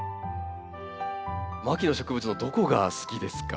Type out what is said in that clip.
牧野植物のどこが好きですか？